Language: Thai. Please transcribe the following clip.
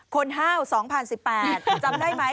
ห้าว๒๐๑๘จำได้ไหม